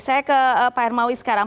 saya ke pak hermawi sekarang